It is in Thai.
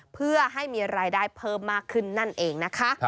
เพื่อให้มีรายได้เพิ่มมากขึ้นนั่นเองนะคะ